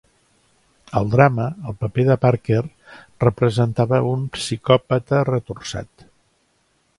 Al drama, el paper de Parker representava un "psicòpata retorçat".